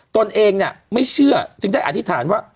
ตนเองไม่เชื่อจึงได้อธิษฐานว่า